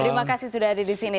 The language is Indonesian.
terima kasih sudah hadir di sini